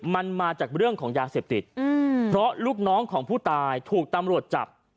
มันมาจากเรื่องของยาเสพติดเพราะลูกน้องของผู้ตายถูกตำรวจจับ